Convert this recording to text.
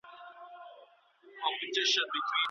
د پيغورونو له ويري بايد څوک قرضونه ونکړي.